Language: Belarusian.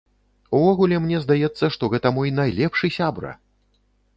Увогуле, мне здаецца, што гэта мой найлепшы сябра!